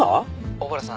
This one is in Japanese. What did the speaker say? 「小原さん」